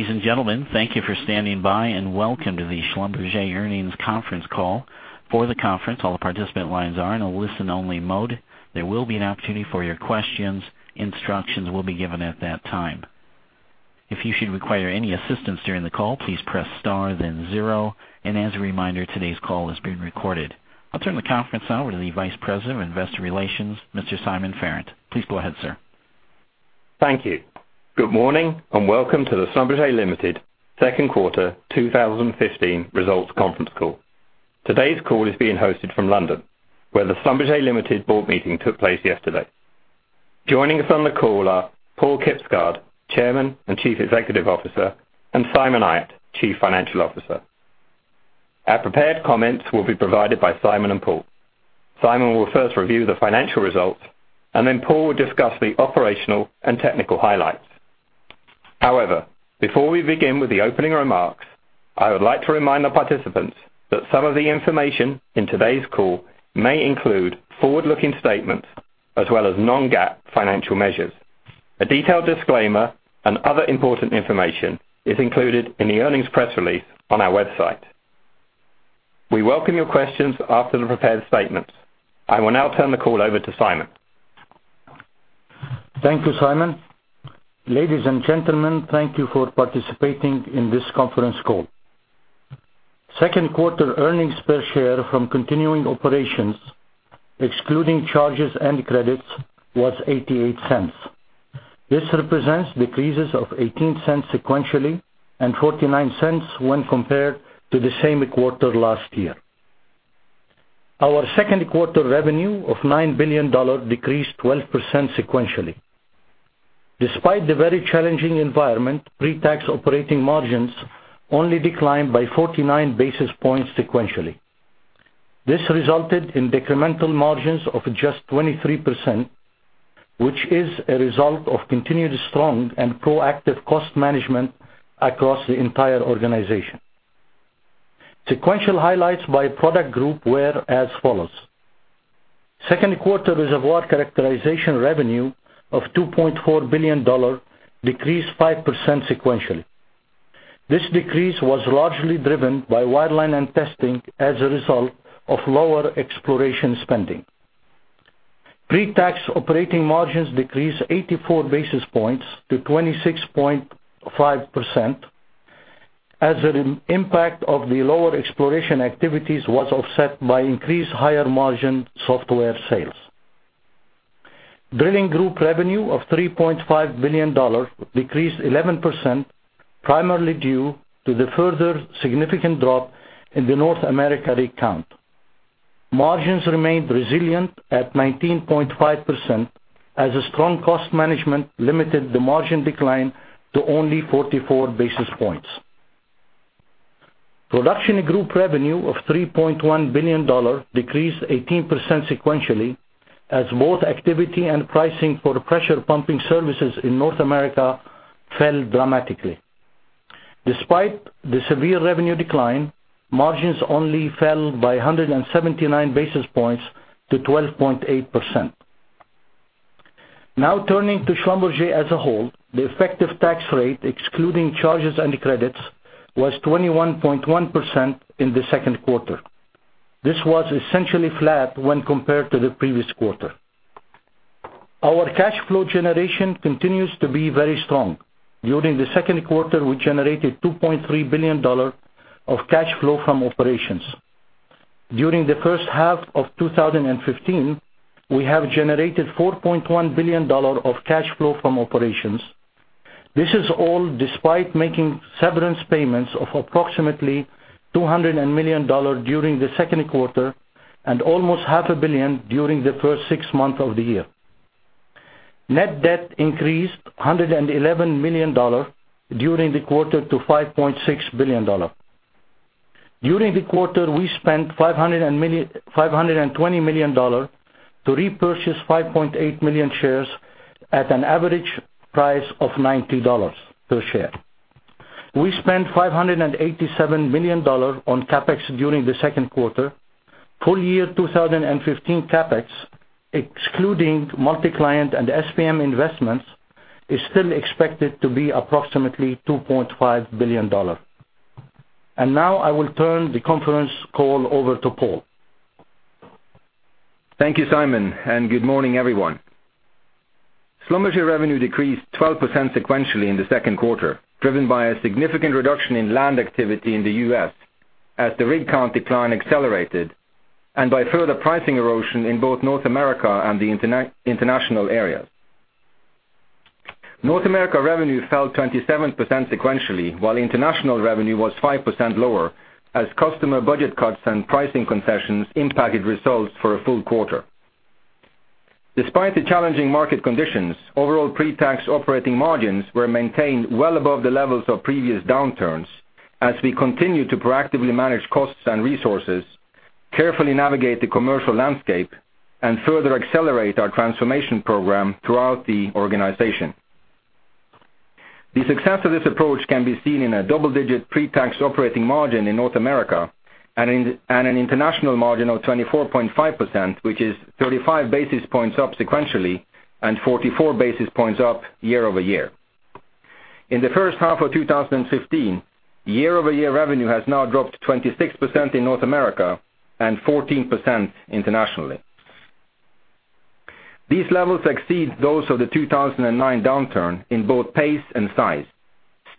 Ladies and gentlemen, thank you for standing by, and welcome to the Schlumberger Earnings Conference Call for the conference. All the participant lines are in a listen-only mode. There will be an opportunity for your questions. Instructions will be given at that time. If you should require any assistance during the call, please press star then zero. As a reminder, today's call is being recorded. I'll turn the conference now to the Vice President of Investor Relations, Mr. Simon Farrant. Please go ahead, sir. Thank you. Good morning, and welcome to the Schlumberger Limited Second Quarter 2015 Results Conference Call. Today's call is being hosted from London, where the Schlumberger Limited board meeting took place yesterday. Joining us on the call are Paal Kibsgaard, Chairman and Chief Executive Officer, and Simon Ayat, Chief Financial Officer. Our prepared comments will be provided by Simon and Paal. Simon will first review the financial results. Paal will discuss the operational and technical highlights. However, before we begin with the opening remarks, I would like to remind the participants that some of the information in today's call may include forward-looking statements as well as non-GAAP financial measures. A detailed disclaimer and other important information is included in the earnings press release on our website. We welcome your questions after the prepared statements. I will now turn the call over to Simon. Thank you, Simon. Ladies and gentlemen, thank you for participating in this conference call. Second quarter earnings per share from continuing operations, excluding charges and credits, was $0.88. This represents decreases of $0.18 sequentially and $0.49 when compared to the same quarter last year. Our second quarter revenue of $9 billion decreased 12% sequentially. Despite the very challenging environment, pre-tax operating margins only declined by 49 basis points sequentially. This resulted in decremental margins of just 23%, which is a result of continued strong and proactive cost management across the entire organization. Sequential highlights by product group were as follows. Second quarter reservoir characterization revenue of $2.4 billion decreased 5% sequentially. This decrease was largely driven by wireline and testing as a result of lower exploration spending. Pre-tax operating margins decreased 84 basis points to 26.5%. The impact of the lower exploration activities was offset by increased higher-margin software sales. Drilling group revenue of $3.5 billion decreased 11%, primarily due to the further significant drop in the North America rig count. Margins remained resilient at 19.5% as strong cost management limited the margin decline to only 44 basis points. Production group revenue of $3.1 billion decreased 18% sequentially as both activity and pricing for pressure pumping services in North America fell dramatically. Despite the severe revenue decline, margins only fell by 179 basis points to 12.8%. Now turning to Schlumberger as a whole, the effective tax rate, excluding charges and credits, was 21.1% in the second quarter. This was essentially flat when compared to the previous quarter. Our cash flow generation continues to be very strong. During the second quarter, we generated $2.3 billion of cash flow from operations. During the first half of 2015, we have generated $4.1 billion of cash flow from operations. This is all despite making severance payments of approximately $200 million during the second quarter and almost half a billion during the first six months of the year. Net debt increased $111 million during the quarter to $5.6 billion. During the quarter, we spent $520 million to repurchase 5.8 million shares at an average price of $90 per share. We spent $587 million on CapEx during the second quarter. Full year 2015 CapEx, excluding multi-client and SPM investments, is still expected to be approximately $2.5 billion. Now I will turn the conference call over to Paal. Thank you, Simon, good morning, everyone. Schlumberger revenue decreased 12% sequentially in the second quarter, driven by a significant reduction in land activity in the U.S. as the rig count decline accelerated and by further pricing erosion in both North America and the international areas. North America revenue fell 27% sequentially, while international revenue was 5% lower as customer budget cuts and pricing concessions impacted results for a full quarter. Despite the challenging market conditions, overall pre-tax operating margins were maintained well above the levels of previous downturns as we continued to proactively manage costs and resources, carefully navigate the commercial landscape, and further accelerate our transformation program throughout the organization. The success of this approach can be seen in a double-digit pre-tax operating margin in North America and an international margin of 24.5%, which is 35 basis points up sequentially 44 basis points up year-over-year. In the first half of 2015, year-over-year revenue has now dropped 26% in North America and 14% internationally. These levels exceed those of the 2009 downturn in both pace and size.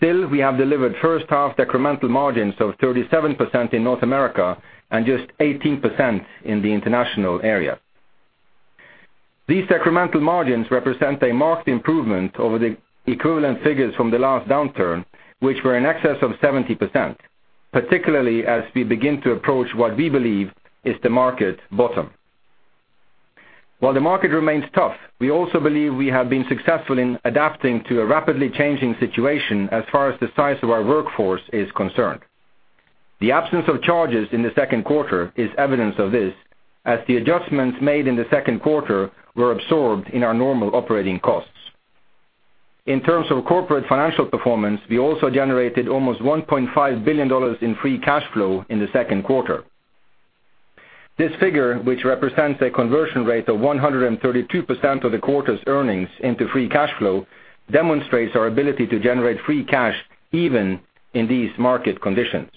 Still, we have delivered first-half decremental margins of 37% in North America and just 18% in the international area. These decremental margins represent a marked improvement over the equivalent figures from the last downturn, which were in excess of 70%, particularly as we begin to approach what we believe is the market bottom. While the market remains tough, we also believe we have been successful in adapting to a rapidly changing situation as far as the size of our workforce is concerned. The absence of charges in the second quarter is evidence of this, as the adjustments made in the second quarter were absorbed in our normal operating costs. In terms of corporate financial performance, we also generated almost $1.5 billion in free cash flow in the second quarter. This figure, which represents a conversion rate of 132% of the quarter's earnings into free cash flow, demonstrates our ability to generate free cash even in these market conditions.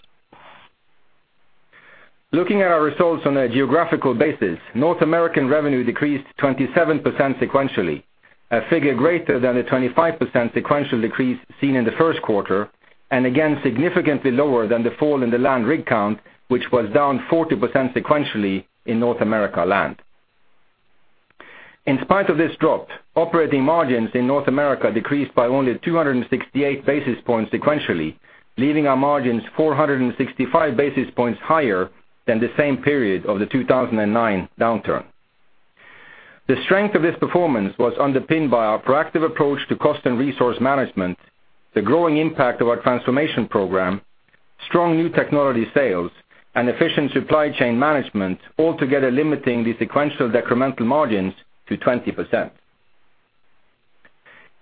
Looking at our results on a geographical basis, North American revenue decreased 27% sequentially, a figure greater than the 25% sequential decrease seen in the first quarter. Again, significantly lower than the fall in the land rig count, which was down 40% sequentially in North America land. In spite of this drop, operating margins in North America decreased by only 268 basis points sequentially, leaving our margins 465 basis points higher than the same period of the 2009 downturn. The strength of this performance was underpinned by our proactive approach to cost and resource management, the growing impact of our transformation program, strong new technology sales, and efficient supply chain management, altogether limiting the sequential decremental margins to 20%.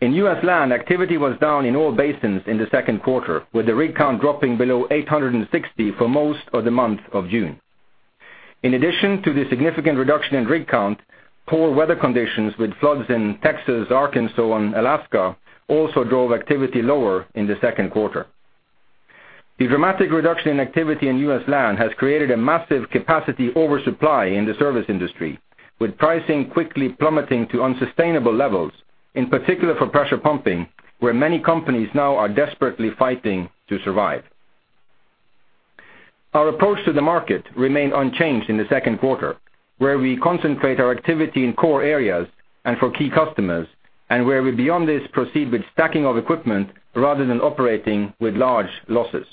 In U.S. Land, activity was down in all basins in the second quarter, with the rig count dropping below 860 for most of the month of June. In addition to the significant reduction in rig count, poor weather conditions with floods in Texas, Arkansas, and Alaska also drove activity lower in the second quarter. The dramatic reduction in activity in U.S. Land has created a massive capacity oversupply in the service industry, with pricing quickly plummeting to unsustainable levels, in particular for pressure pumping, where many companies now are desperately fighting to survive. Our approach to the market remained unchanged in the second quarter, where we concentrate our activity in core areas and for key customers, and where we, beyond this, proceed with stacking of equipment rather than operating with large losses.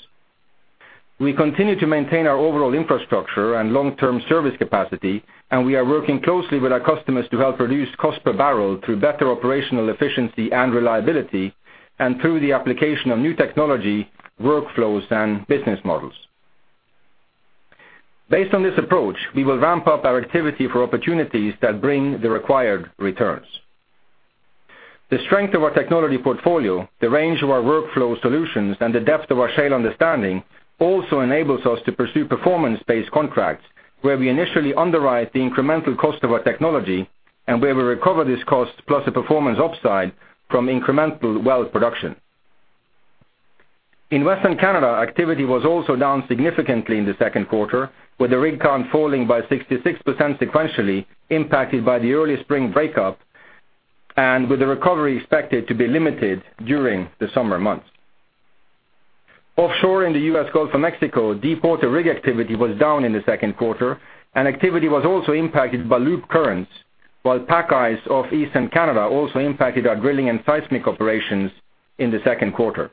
We continue to maintain our overall infrastructure and long-term service capacity, and we are working closely with our customers to help reduce cost per barrel through better operational efficiency and reliability, and through the application of new technology, workflows, and business models. Based on this approach, we will ramp up our activity for opportunities that bring the required returns. The strength of our technology portfolio, the range of our workflow solutions, and the depth of our shale understanding also enables us to pursue performance-based contracts where we initially underwrite the incremental cost of our technology and where we recover this cost plus the performance upside from incremental well production. In Western Canada, activity was also down significantly in the second quarter, with the rig count falling by 66% sequentially, impacted by the early spring breakup, and with the recovery expected to be limited during the summer months. Offshore in the U.S. Gulf of Mexico, deepwater rig activity was down in the second quarter, and activity was also impacted by loop currents, while pack ice off Eastern Canada also impacted our drilling and seismic operations in the second quarter.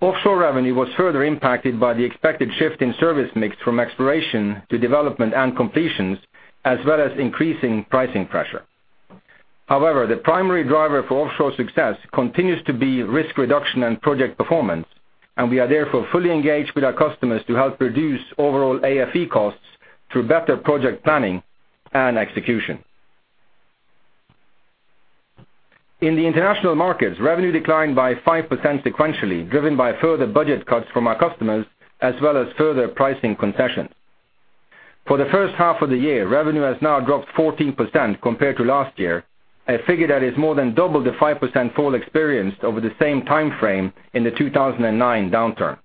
Offshore revenue was further impacted by the expected shift in service mix from exploration to development and completions, as well as increasing pricing pressure. The primary driver for offshore success continues to be risk reduction and project performance, and we are therefore fully engaged with our customers to help reduce overall AFE costs through better project planning and execution. In the international markets, revenue declined by 5% sequentially, driven by further budget cuts from our customers as well as further pricing concessions. For the first half of the year, revenue has now dropped 14% compared to last year, a figure that is more than double the 5% fall experienced over the same time frame in the 2009 downturn.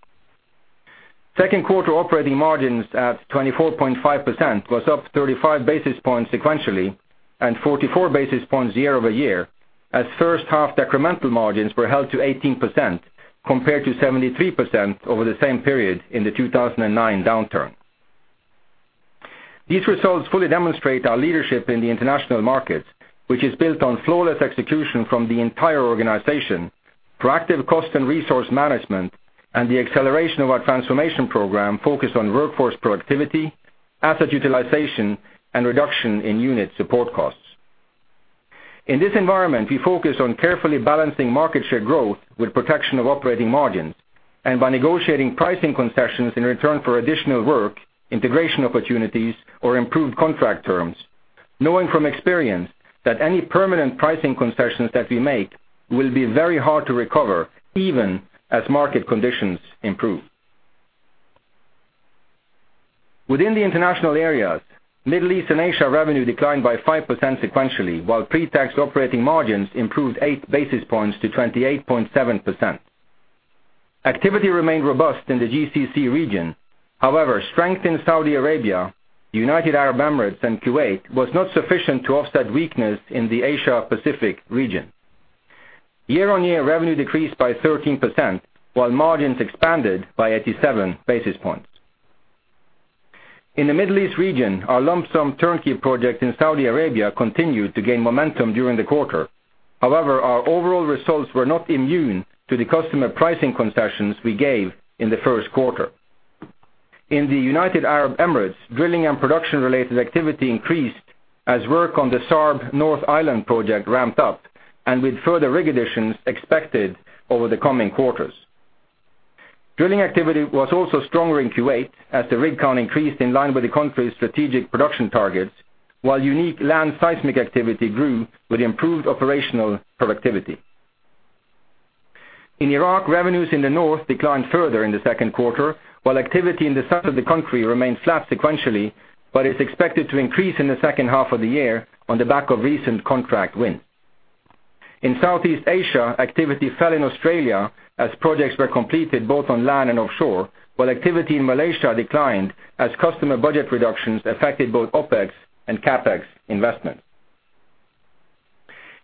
Second quarter operating margins at 24.5% was up 35 basis points sequentially and 44 basis points year-over-year as first half decremental margins were held to 18% compared to 73% over the same period in the 2009 downturn. These results fully demonstrate our leadership in the international markets, which is built on flawless execution from the entire organization, proactive cost and resource management, and the acceleration of our transformation program focused on workforce productivity, asset utilization, and reduction in unit support costs. In this environment, we focus on carefully balancing market share growth with protection of operating margins and by negotiating pricing concessions in return for additional work, integration opportunities, or improved contract terms, knowing from experience that any permanent pricing concessions that we make will be very hard to recover even as market conditions improve. Within the international areas, Middle East and Asia revenue declined by 5% sequentially, while pre-tax operating margins improved 8 basis points to 28.7%. Activity remained robust in the GCC region. Strength in Saudi Arabia, United Arab Emirates, and Kuwait was not sufficient to offset weakness in the Asia Pacific region. Year-on-year revenue decreased by 13%, while margins expanded by 87 basis points. In the Middle East region, our lump sum turnkey project in Saudi Arabia continued to gain momentum during the quarter. Our overall results were not immune to the customer pricing concessions we gave in the first quarter. In the United Arab Emirates, drilling and production-related activity increased as work on the Satah Al Razboot (SARB) North Island project ramped up, and with further rig additions expected over the coming quarters. Drilling activity was also stronger in Kuwait as the rig count increased in line with the country's strategic production targets, while unique land seismic activity grew with improved operational productivity. In Iraq, revenues in the north declined further in the second quarter, while activity in the south of the country remained flat sequentially, but is expected to increase in the second half of the year on the back of recent contract wins. In Southeast Asia, activity fell in Australia as projects were completed both on land and offshore, while activity in Malaysia declined as customer budget reductions affected both OpEx and CapEx investments.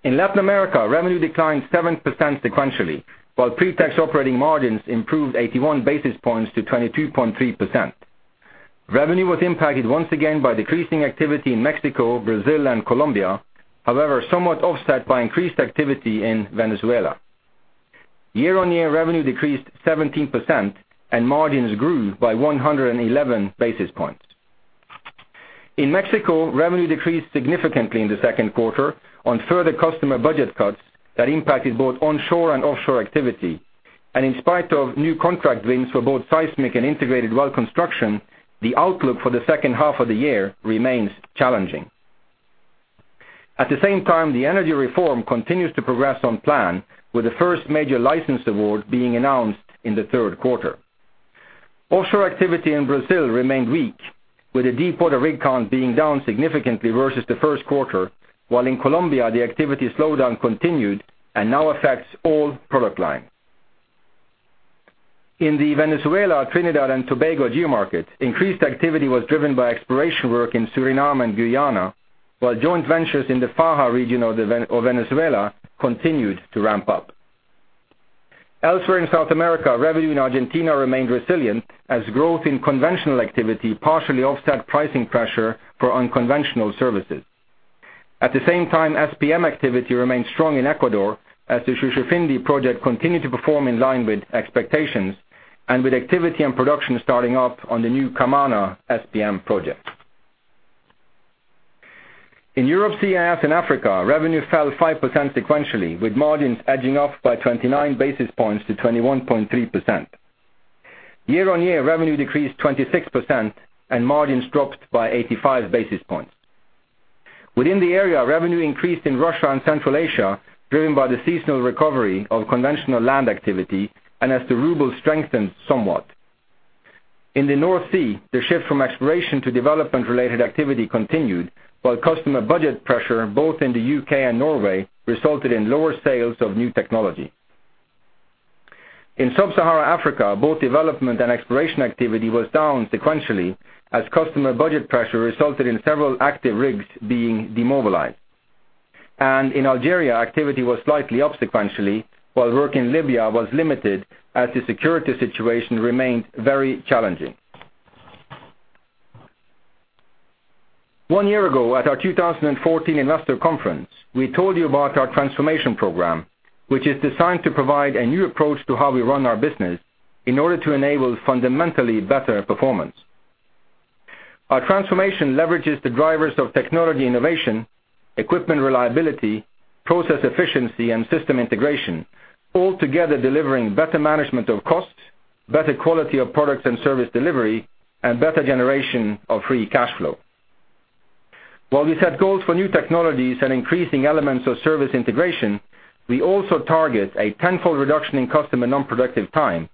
In Latin America, revenue declined 7% sequentially, while pre-tax operating margins improved 81 basis points to 23.3%. Revenue was impacted once again by decreasing activity in Mexico, Brazil, and Colombia, however, somewhat offset by increased activity in Venezuela. Year-on-year revenue decreased 17% and margins grew by 111 basis points. In Mexico, revenue decreased significantly in the second quarter on further customer budget cuts that impacted both onshore and offshore activity. In spite of new contract wins for both seismic and integrated well construction, the outlook for the second half of the year remains challenging. At the same time, the energy reform continues to progress on plan, with the first major license award being announced in the third quarter. Offshore activity in Brazil remained weak, with the deepwater rig count being down significantly versus the first quarter, while in Colombia, the activity slowdown continued and now affects all product lines. In the Venezuela, Trinidad, and Tobago geomarket, increased activity was driven by exploration work in Suriname and Guyana, while joint ventures in the Faja region of Venezuela continued to ramp up. Elsewhere in South America, revenue in Argentina remained resilient as growth in conventional activity partially offset pricing pressure for unconventional services. At the same time, SPM activity remained strong in Ecuador as the Shushufindi project continued to perform in line with expectations, and with activity and production starting up on the new Camana SPM project. In Europe, CIS, and Africa, revenue fell 5% sequentially, with margins edging off by 29 basis points to 21.3%. Year-on-year revenue decreased 26% and margins dropped by 85 basis points. Within the area, revenue increased in Russia and Central Asia, driven by the seasonal recovery of conventional land activity and as the ruble strengthened somewhat. In the North Sea, the shift from exploration to development-related activity continued, while customer budget pressure both in the U.K. and Norway resulted in lower sales of new technology. In Sub-Sahara Africa, both development and exploration activity was down sequentially as customer budget pressure resulted in several active rigs being demobilized. In Algeria, activity was slightly up sequentially while work in Libya was limited as the security situation remained very challenging. One year ago, at our 2014 investor conference, we told you about our transformation program, which is designed to provide a new approach to how we run our business in order to enable fundamentally better performance. Our transformation leverages the drivers of technology innovation, equipment reliability, process efficiency, and system integration, all together delivering better management of costs, better quality of products and service delivery, and better generation of free cash flow. While we set goals for new technologies and increasing elements of service integration, we also target a tenfold reduction in customer non-productive time,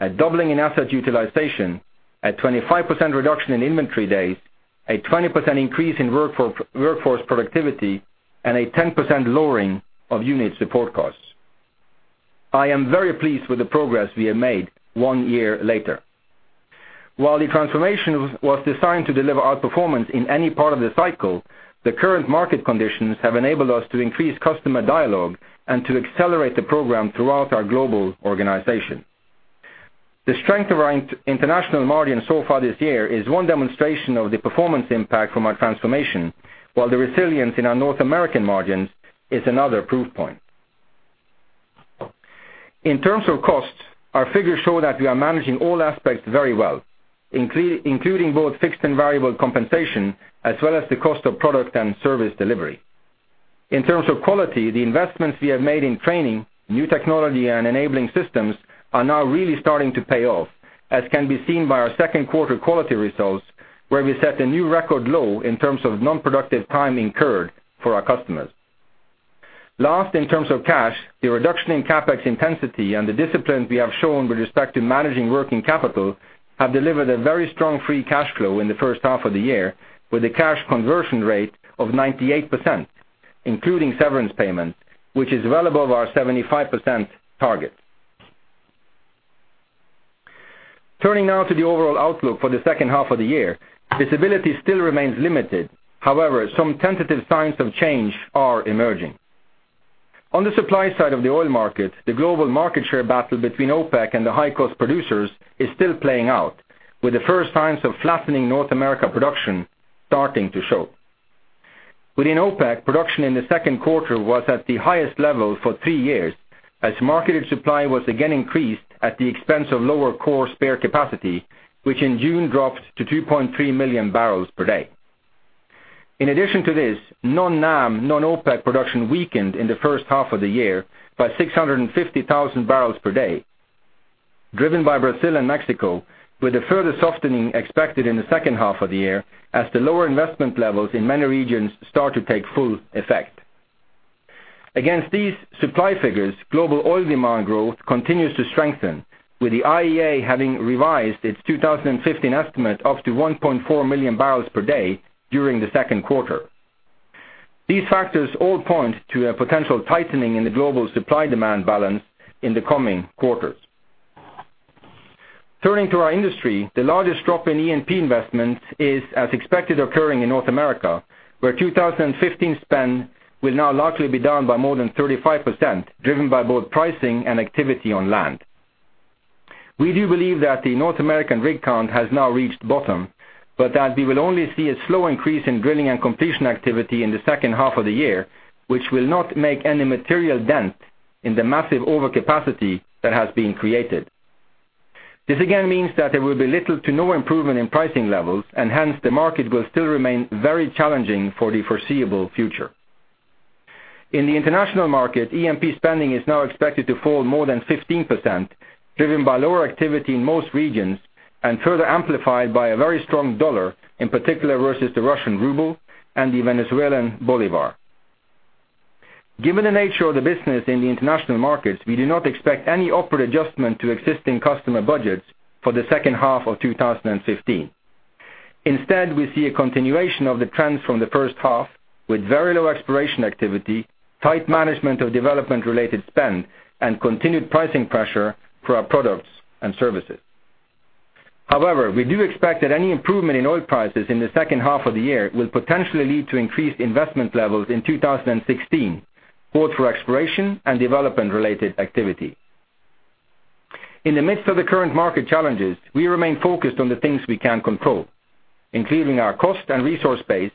a doubling in asset utilization, a 25% reduction in inventory days, a 20% increase in workforce productivity, and a 10% lowering of unit support costs. I am very pleased with the progress we have made one year later. While the transformation was designed to deliver outperformance in any part of the cycle, the current market conditions have enabled us to increase customer dialogue and to accelerate the program throughout our global organization. The strength of our international margin so far this year is one demonstration of the performance impact from our transformation, while the resilience in our North American margins is another proof point. In terms of costs, our figures show that we are managing all aspects very well, including both fixed and variable compensation, as well as the cost of product and service delivery. In terms of quality, the investments we have made in training, new technology, and enabling systems are now really starting to pay off, as can be seen by our second quarter quality results, where we set a new record low in terms of non-productive time incurred for our customers. Last, in terms of cash, the reduction in CapEx intensity and the discipline we have shown with respect to managing working capital have delivered a very strong free cash flow in the first half of the year, with a cash conversion rate of 98%, including severance payment, which is well above our 75% target. Turning now to the overall outlook for the second half of the year. Visibility still remains limited. However, some tentative signs of change are emerging. On the supply side of the oil market, the global market share battle between OPEC and the high-cost producers is still playing out, with the first signs of flattening North America production starting to show. Within OPEC, production in the second quarter was at the highest level for three years as marketed supply was again increased at the expense of lower core spare capacity, which in June dropped to 2.3 million barrels per day. In addition to this, non-NAM, non-OPEC production weakened in the first half of the year by 650,000 barrels per day, driven by Brazil and Mexico, with a further softening expected in the second half of the year as the lower investment levels in many regions start to take full effect. Against these supply figures, global oil demand growth continues to strengthen, with the IEA having revised its 2015 estimate up to 1.4 million barrels per day during the second quarter. These factors all point to a potential tightening in the global supply-demand balance in the coming quarters. Turning to our industry, the largest drop in E&P investments is, as expected, occurring in North America, where 2015 spend will now likely be down by more than 35%, driven by both pricing and activity on land. We do believe that the North American rig count has now reached bottom, but that we will only see a slow increase in drilling and completion activity in the second half of the year, which will not make any material dent in the massive overcapacity that has been created. This again means that there will be little to no improvement in pricing levels, and hence the market will still remain very challenging for the foreseeable future. In the international market, E&P spending is now expected to fall more than 15%, driven by lower activity in most regions and further amplified by a very strong dollar, in particular versus the Russian ruble and the Venezuelan bolívar. Given the nature of the business in the international markets, we do not expect any upward adjustment to existing customer budgets for the second half of 2015. Instead, we see a continuation of the trends from the first half, with very low exploration activity, tight management of development-related spend, and continued pricing pressure for our products and services. However, we do expect that any improvement in oil prices in the second half of the year will potentially lead to increased investment levels in 2016, both for exploration and development-related activity. In the midst of the current market challenges, we remain focused on the things we can control, including our cost and resource base,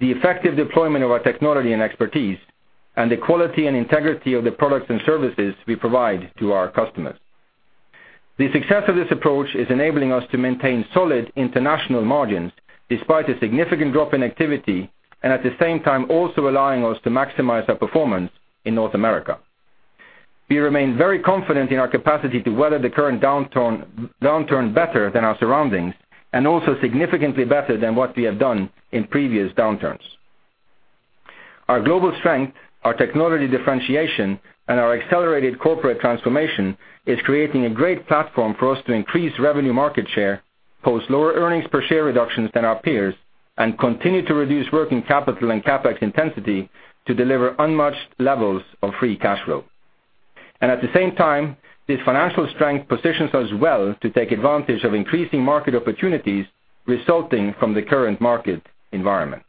the effective deployment of our technology and expertise, and the quality and integrity of the products and services we provide to our customers. The success of this approach is enabling us to maintain solid international margins despite a significant drop in activity and, at the same time, also allowing us to maximize our performance in North America. We remain very confident in our capacity to weather the current downturn better than our surroundings, and also significantly better than what we have done in previous downturns. Our global strength, our technology differentiation, and our accelerated corporate transformation is creating a great platform for us to increase revenue market share, post lower earnings per share reductions than our peers, and continue to reduce working capital and CapEx intensity to deliver unmatched levels of free cash flow. At the same time, this financial strength positions us well to take advantage of increasing market opportunities resulting from the current market environment.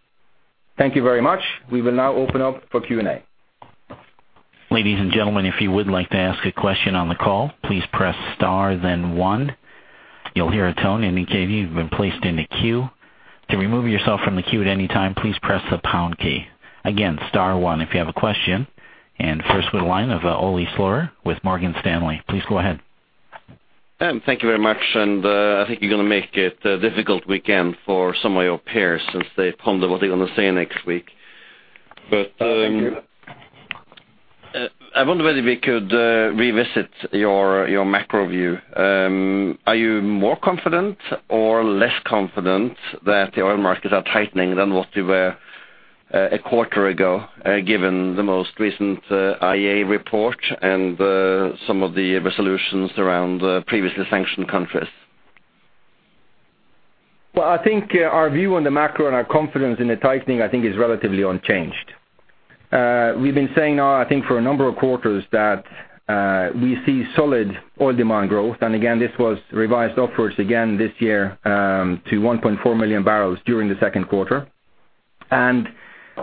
Thank you very much. We will now open up for Q&A. Ladies and gentlemen, if you would like to ask a question on the call, please press star then one. You'll hear a tone indicating you've been placed in a queue. To remove yourself from the queue at any time, please press the pound key. Again, star one if you have a question. First we have the line of Ole Slorer with Morgan Stanley. Please go ahead. Thank you very much. I think you're going to make it a difficult weekend for some of your peers since they ponder what they're going to say next week. Thank you. I wonder whether we could revisit your macro view. Are you more confident or less confident that the oil markets are tightening than what you were a quarter ago, given the most recent IEA report and some of the resolutions around previously sanctioned countries? I think our view on the macro and our confidence in the tightening, I think, is relatively unchanged. We've been saying now, I think, for a number of quarters that we see solid oil demand growth. Again, this was revised upwards again this year to 1.4 million barrels during the second quarter.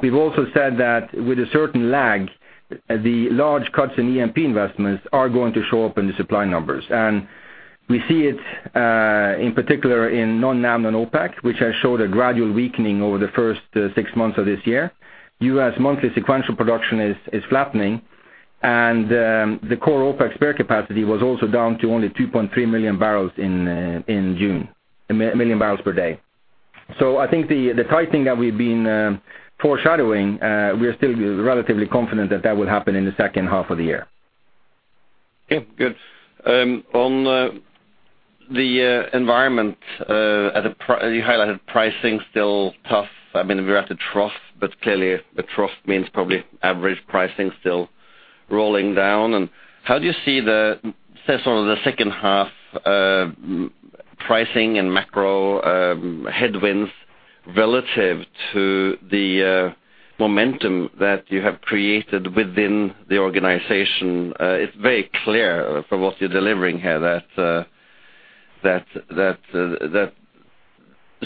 We've also said that with a certain lag, the large cuts in E&P investments are going to show up in the supply numbers. We see it, in particular, in non-NAM, non-OPEC, which has showed a gradual weakening over the first six months of this year. U.S. monthly sequential production is flattening, and the core OPEC spare capacity was also down to only 2.3 million barrels per day in June. I think the tightening that we've been foreshadowing, we are still relatively confident that that will happen in the second half of the year. Okay, good. On the environment, you highlighted pricing is still tough. We're at a trough, but clearly, a trough means probably average pricing still rolling down. How do you see the second half pricing and macro headwinds relative to the momentum that you have created within the organization? It's very clear from what you're delivering here that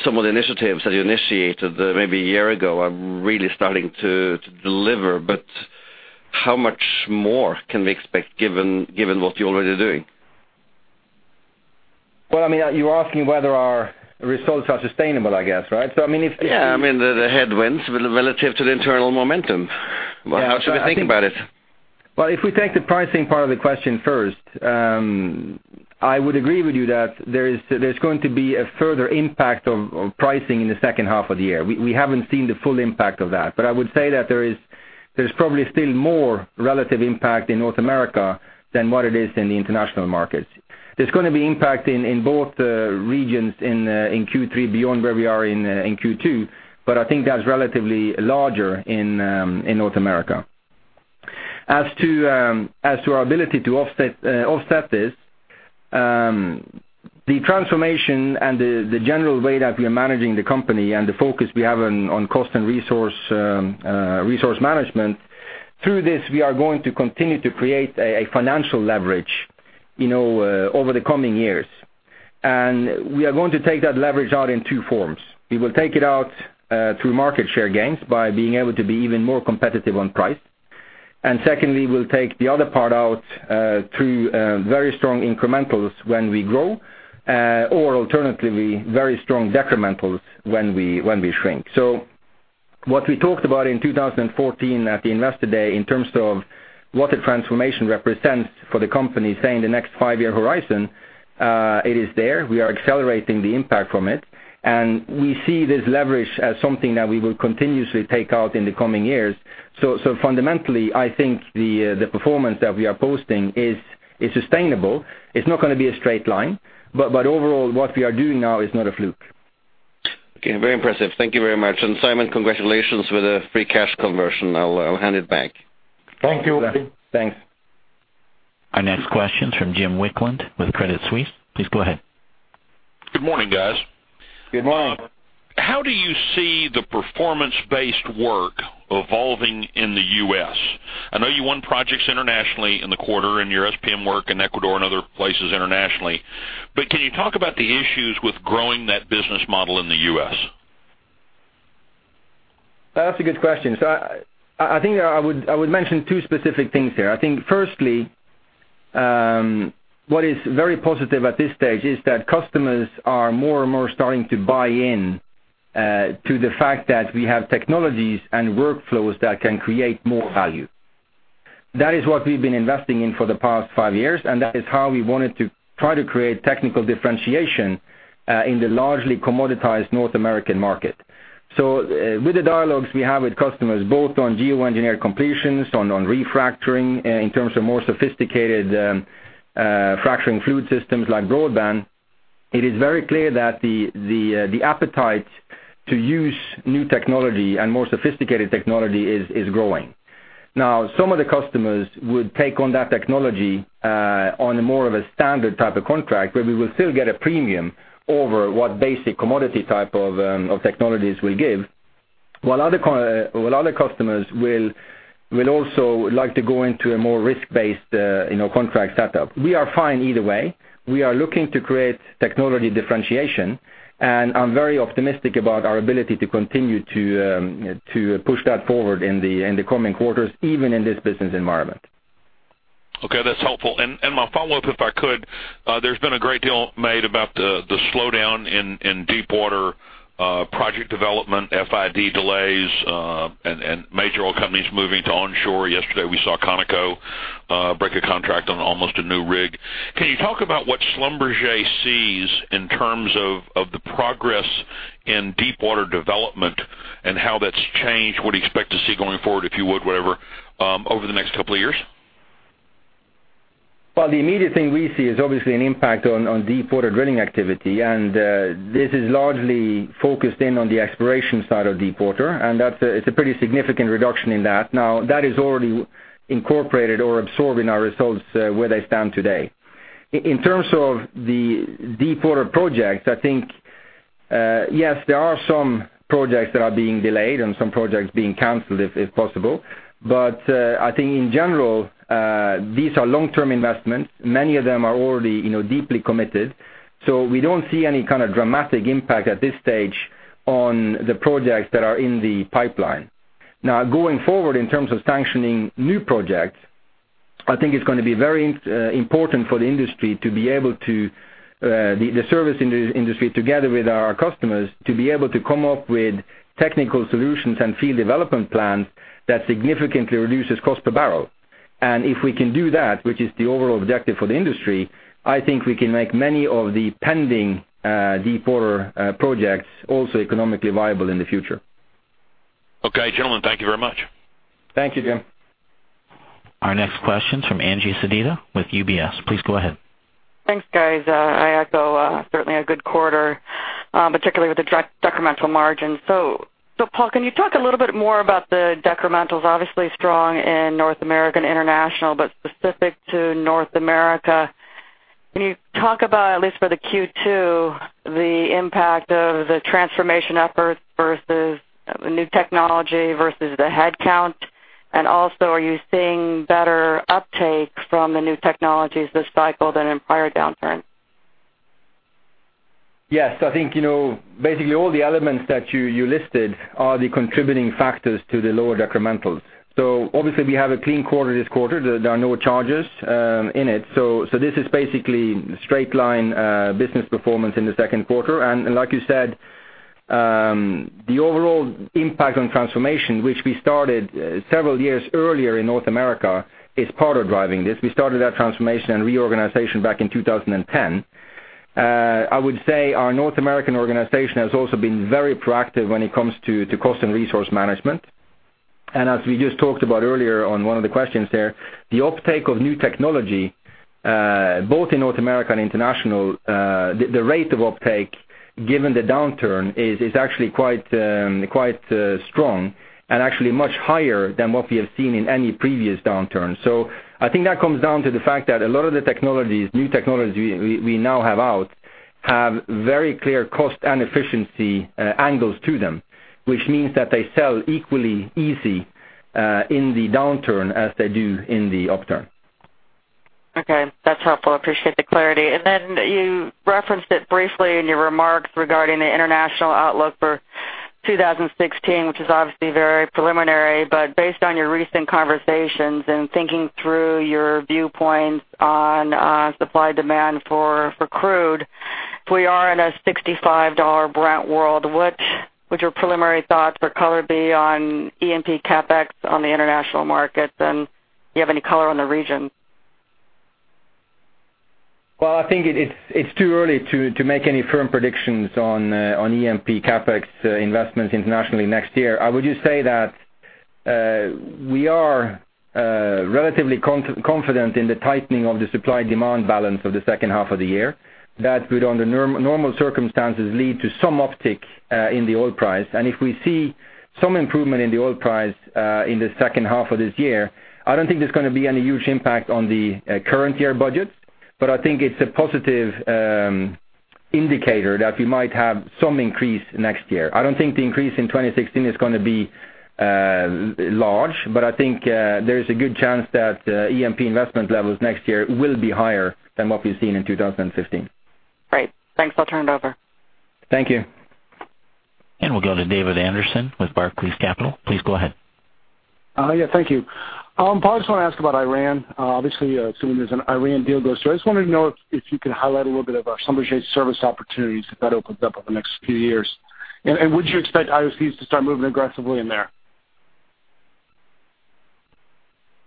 some of the initiatives that you initiated maybe a year ago are really starting to deliver. How much more can we expect given what you're already doing? Well, you're asking whether our results are sustainable, I guess, right? Yeah. The headwinds relative to the internal momentum. How should we think about it? Well, if we take the pricing part of the question first, I would agree with you that there's going to be a further impact on pricing in the second half of the year. We haven't seen the full impact of that. I would say that there's probably still more relative impact in North America than what it is in the international markets. There's going to be impact in both regions in Q3 beyond where we are in Q2, but I think that's relatively larger in North America. As to our ability to offset this, the transformation and the general way that we are managing the company and the focus we have on cost and resource management, through this, we are going to continue to create a financial leverage over the coming years. We are going to take that leverage out in two forms. We will take it out through market share gains by being able to be even more competitive on price. Secondly, we'll take the other part out through very strong incrementals when we grow, or alternatively, very strong decrementals when we shrink. What we talked about in 2014 at the Investor Day in terms of what the transformation represents for the company, say, in the next five-year horizon, it is there. We are accelerating the impact from it, and we see this leverage as something that we will continuously take out in the coming years. Fundamentally, I think the performance that we are posting is sustainable. It's not going to be a straight line, but overall, what we are doing now is not a fluke. Okay. Very impressive. Thank you very much. Simon, congratulations with the free cash conversion. I'll hand it back. Thank you. Thanks. Our next question's from Jim Wicklund with Credit Suisse. Please go ahead. Good morning, guys. Good morning. How do you see the performance-based work evolving in the U.S.? I know you won projects internationally in the quarter, in your SPM work in Ecuador and other places internationally. Can you talk about the issues with growing that business model in the U.S.? I think I would mention two specific things here. Firstly, what is very positive at this stage is that customers are more and more starting to buy in to the fact that we have technologies and workflows that can create more value. That is what we've been investing in for the past five years, and that is how we wanted to try to create technical differentiation in the largely commoditized North American market. With the dialogues we have with customers both on geo-engineered completions, on refracturing, in terms of more sophisticated fracturing fluid systems like BroadBand, it is very clear that the appetite to use new technology and more sophisticated technology is growing. Some of the customers would take on that technology on more of a standard type of contract where we will still get a premium over what basic commodity type of technologies will give, while other customers will also like to go into a more risk-based contract setup. We are fine either way. We are looking to create technology differentiation, and I'm very optimistic about our ability to continue to push that forward in the coming quarters, even in this business environment. That's helpful. My follow-up, if I could, there's been a great deal made about the slowdown in deepwater project development, FID delays, and major oil companies moving to onshore. Yesterday, we saw Conoco break a contract on almost a new rig. Can you talk about what Schlumberger sees in terms of the progress in deepwater development and how that's changed, what you expect to see going forward, if you would, whatever, over the next couple of years? The immediate thing we see is obviously an impact on deepwater drilling activity, and this is largely focused in on the exploration side of deepwater, and it's a pretty significant reduction in that. That is already incorporated or absorbed in our results where they stand today. In terms of the deepwater projects, yes, there are some projects that are being delayed and some projects being canceled, if possible. In general, these are long-term investments. Many of them are already deeply committed. We don't see any kind of dramatic impact at this stage on the projects that are in the pipeline. Going forward, in terms of sanctioning new projects, I think it's going to be very important for the service industry, together with our customers, to be able to come up with technical solutions and field development plans that significantly reduces cost per barrel. If we can do that, which is the overall objective for the industry, I think we can make many of the pending deepwater projects also economically viable in the future. Okay, gentlemen, thank you very much. Thank you, Jim. Our next question's from Angie Sedita with UBS. Please go ahead. Thanks, guys. I echo, certainly a good quarter, particularly with the decremental margin. Paal, can you talk a little bit more about the decrementals, obviously strong in North America and International, but specific to North America. Can you talk about, at least for the Q2, the impact of the transformation efforts versus new technology versus the headcount? Are you seeing better uptake from the new technologies this cycle than in prior downturn? Yes. I think, basically all the elements that you listed are the contributing factors to the lower decrementals. Obviously we have a clean quarter this quarter. There are no charges in it. This is basically straight line business performance in the second quarter. Like you said, the overall impact on transformation, which we started several years earlier in North America, is part of driving this. We started that transformation and reorganization back in 2010. I would say our North American organization has also been very proactive when it comes to cost and resource management. As we just talked about earlier on one of the questions there, the uptake of new technology, both in North America and International, the rate of uptake, given the downturn, is actually quite strong and actually much higher than what we have seen in any previous downturn. I think that comes down to the fact that a lot of the new technologies we now have out have very clear cost and efficiency angles to them. Which means that they sell equally easy in the downturn as they do in the upturn. Okay. That's helpful. Appreciate the clarity. You referenced it briefly in your remarks regarding the international outlook for 2016, which is obviously very preliminary, but based on your recent conversations and thinking through your viewpoints on supply-demand for crude, if we are in a $65 Brent world, what's your preliminary thoughts for color be on E&P CapEx on the international markets, and do you have any color on the region? Well, I think it's too early to make any firm predictions on E&P CapEx investments internationally next year. I would just say that we are relatively confident in the tightening of the supply-demand balance of the second half of the year. That would, under normal circumstances, lead to some uptick in the oil price. If we see some improvement in the oil price in the second half of this year, I don't think there's going to be any huge impact on the current year budgets. I think it's a positive indicator that we might have some increase next year. I don't think the increase in 2016 is going to be large, but I think there is a good chance that E&P investment levels next year will be higher than what we've seen in 2015. Great. Thanks. I'll turn it over. Thank you. We'll go to David Anderson with Barclays Capital. Please go ahead. Yeah, thank you. Paal, I just want to ask about Iran. Obviously, assuming there's an Iran deal goes through, I just wanted to know if you could highlight a little bit about some of the service opportunities if that opens up over the next few years. Would you expect IOCs to start moving aggressively in there?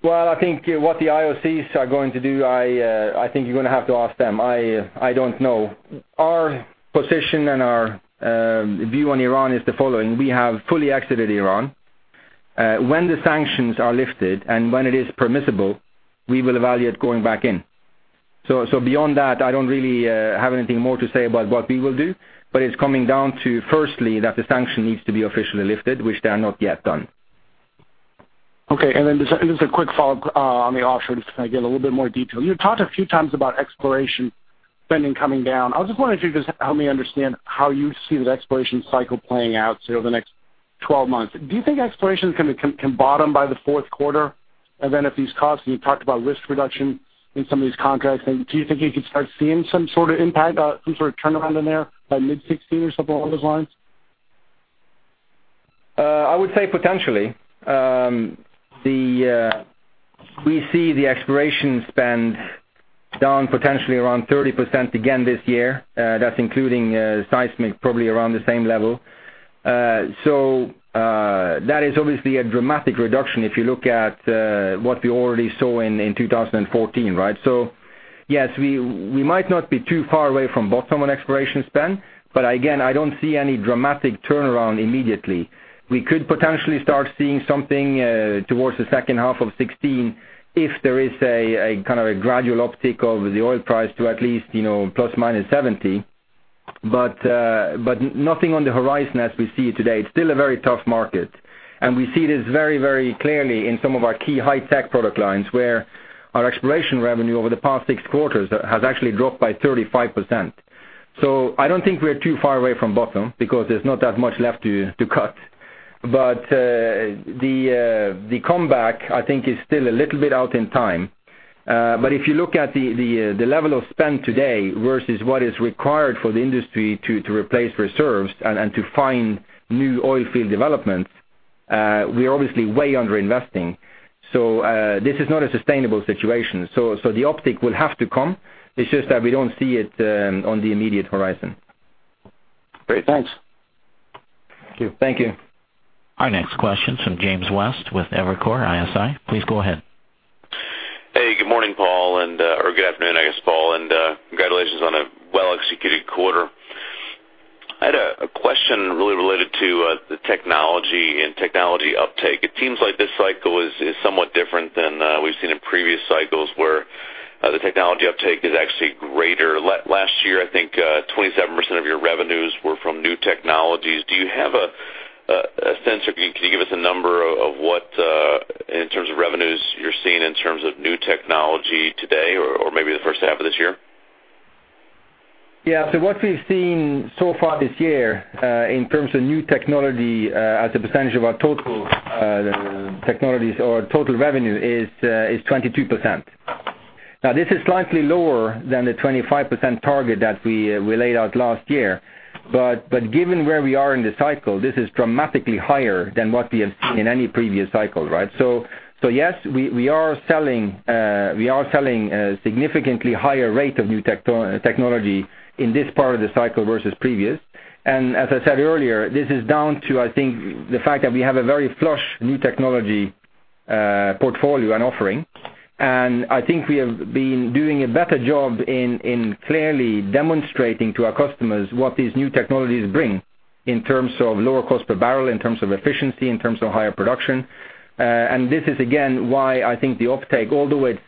Well, I think what the IOCs are going to do, I think you're going to have to ask them. I don't know. Our position and our view on Iran is the following. We have fully exited Iran. When the sanctions are lifted and when it is permissible, we will evaluate going back in. Beyond that, I don't really have anything more to say about what we will do. It's coming down to firstly, that the sanction needs to be officially lifted, which they are not yet done. Okay, just a quick follow-up on the offshore, just can I get a little bit more detail? You talked a few times about exploration spending coming down. I was just wondering if you could just help me understand how you see the exploration cycle playing out say over the next 12 months. Do you think exploration can bottom by the fourth quarter? If these costs, and you talked about risk reduction in some of these contracts, do you think you could start seeing some sort of impact, some sort of turnaround in there by mid 2016 or something along those lines? I would say potentially. We see the exploration spend down potentially around 30% again this year. That's including seismic, probably around the same level. That is obviously a dramatic reduction if you look at what we already saw in 2014, right? Yes, we might not be too far away from bottom on exploration spend, but again, I don't see any dramatic turnaround immediately. We could potentially start seeing something towards the second half of 2016 if there is a kind of a gradual uptick of the oil price to at least ±70. Nothing on the horizon as we see it today. It's still a very tough market. We see this very, very clearly in some of our key high-tech product lines, where our exploration revenue over the past six quarters has actually dropped by 35%. I don't think we're too far away from bottom because there's not that much left to cut. The comeback, I think, is still a little bit out in time. If you look at the level of spend today versus what is required for the industry to replace reserves and to find new oil field developments, we are obviously way under-investing. This is not a sustainable situation. The uptick will have to come. It's just that we don't see it on the immediate horizon. Great. Thanks. Thank you. Our next question's from James West with Evercore ISI. Please go ahead. Good morning, Paal. Or good afternoon, I guess, Paal, congratulations on a well-executed quarter. I had a question really related to the technology and technology uptake. It seems like this cycle is somewhat different than we've seen in previous cycles, where the technology uptake is actually greater. Last year, I think 27% of your revenues were from new technologies. Do you have a sense, or can you give us a number of what, in terms of revenues you're seeing in terms of new technology today or maybe the first half of this year? Yeah. What we've seen so far this year, in terms of new technology as a percentage of our total technologies or total revenue is 22%. This is slightly lower than the 25% target that we laid out last year, but given where we are in the cycle, this is dramatically higher than what we have seen in any previous cycle, right? Yes, we are selling a significantly higher rate of new technology in this part of the cycle versus previous. As I said earlier, this is down to, I think, the fact that we have a very flush new technology portfolio and offering. I think we have been doing a better job in clearly demonstrating to our customers what these new technologies bring in terms of lower cost per barrel, in terms of efficiency, in terms of higher production. This is, again, why I think the uptake, although it's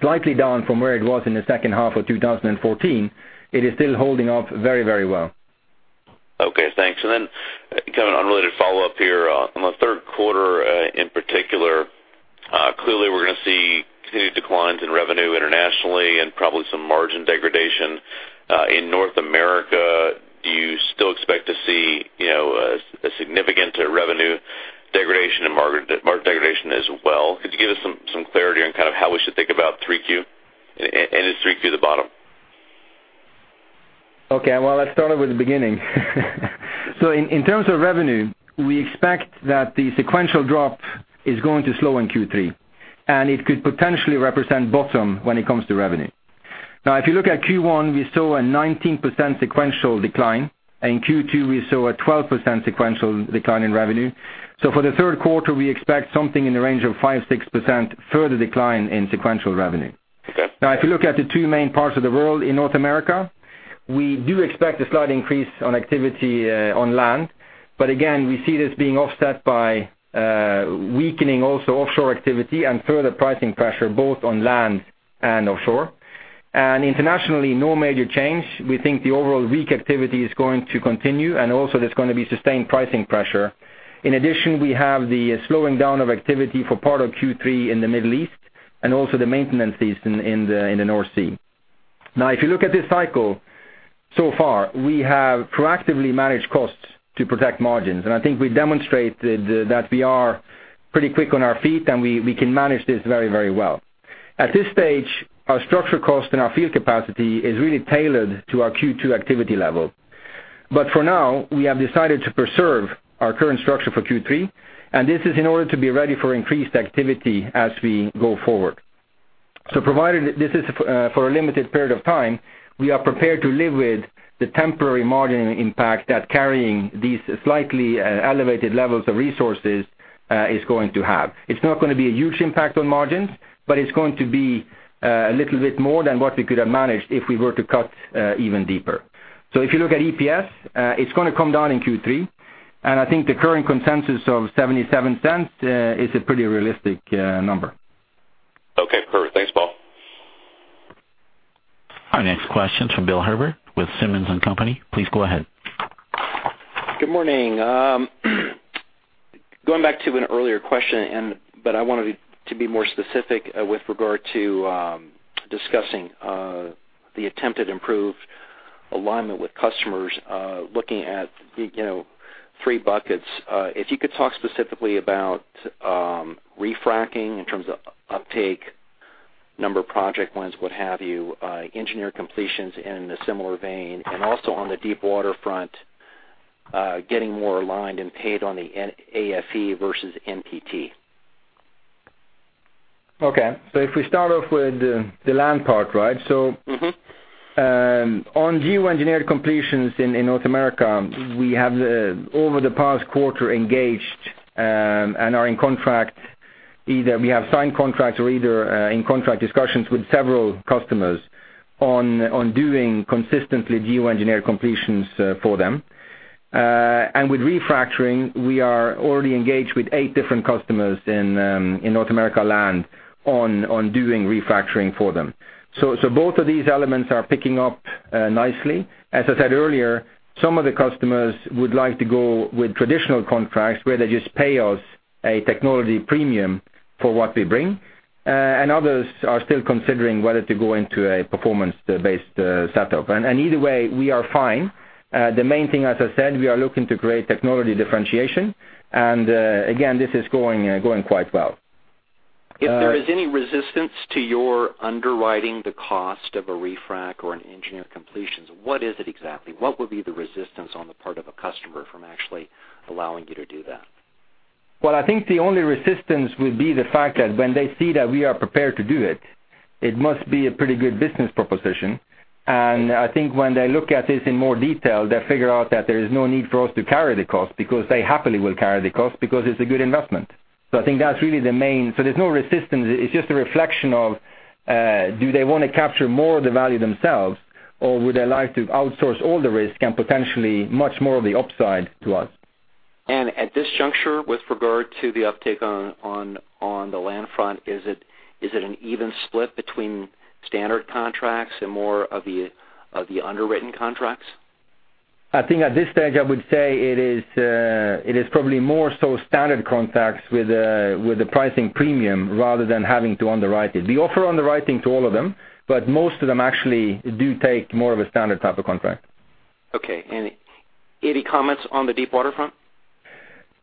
slightly down from where it was in the second half of 2014, it is still holding up very, very well. Okay, thanks. Then, kind of an unrelated follow-up here on the third quarter, in particular. Clearly, we're going to see continued declines in revenue internationally and probably some margin degradation. In North America, do you still expect to see a significant revenue degradation and margin degradation as well? Could you give us some clarity on kind of how we should think about three Q, is three Q the bottom? Okay, well, let's start over at the beginning. In terms of revenue, we expect that the sequential drop is going to slow in Q3, and it could potentially represent bottom when it comes to revenue. If you look at Q1, we saw a 19% sequential decline. In Q2, we saw a 12% sequential decline in revenue. For the third quarter, we expect something in the range of 5%-6% further decline in sequential revenue. Okay. If you look at the two main parts of the world, in North America, we do expect a slight increase on activity on land. Again, we see this being offset by weakening also offshore activity and further pricing pressure both on land and offshore. Internationally, no major change. We think the overall weak activity is going to continue, and also there's going to be sustained pricing pressure. In addition, we have the slowing down of activity for part of Q3 in the Middle East and also the maintenance season in the North Sea. If you look at this cycle so far, we have proactively managed costs to protect margins, and I think we demonstrated that we are pretty quick on our feet, and we can manage this very, very well. At this stage, our structural cost and our field capacity is really tailored to our Q2 activity level. For now, we have decided to preserve our current structure for Q3, and this is in order to be ready for increased activity as we go forward. Provided this is for a limited period of time, we are prepared to live with the temporary margin impact that carrying these slightly elevated levels of resources is going to have. It's not going to be a huge impact on margins, but it's going to be a little bit more than what we could have managed if we were to cut even deeper. If you look at EPS, it's going to come down in Q3, and I think the current consensus of $0.77 is a pretty realistic number. Okay, perfect. Thanks, Paal. Our next question from Bill Herbert with Simmons & Company. Please go ahead. Good morning. Going back to an earlier question, I wanted to be more specific with regard to discussing the attempted improved alignment with customers, looking at three buckets. If you could talk specifically about refracking in terms of uptake, number of project wins, what have you, engineered completions in a similar vein, and also on the deep water front getting more aligned and paid on the AFE versus NPT. Okay. If we start off with the land part, right? On geo-engineered completions in North America, we have over the past quarter engaged and are in contract. Either we have signed contracts or in contract discussions with several customers on doing consistently geo-engineered completions for them. With refracturing, we are already engaged with eight different customers in North America land on doing refracturing for them. Both of these elements are picking up nicely. As I said earlier, some of the customers would like to go with traditional contracts where they just pay us a technology premium for what we bring. Others are still considering whether to go into a performance-based setup. Either way, we are fine. The main thing, as I said, we are looking to create technology differentiation. Again, this is going quite well. If there is any resistance to your underwriting the cost of a refrac or an engineered completions, what is it exactly? What would be the resistance on the part of a customer from actually allowing you to do that? Well, I think the only resistance will be the fact that when they see that we are prepared to do it. It must be a pretty good business proposition. I think when they look at this in more detail, they'll figure out that there is no need for us to carry the cost because they happily will carry the cost because it's a good investment. I think that's really the main. There's no resistance. It's just a reflection of, do they want to capture more of the value themselves, or would they like to outsource all the risk and potentially much more of the upside to us? At this juncture, with regard to the uptake on the land front, is it an even split between standard contracts and more of the underwritten contracts? I think at this stage, I would say it is probably more so standard contracts with a pricing premium rather than having to underwrite it. We offer underwriting to all of them, but most of them actually do take more of a standard type of contract. Okay. Any comments on the deep water front?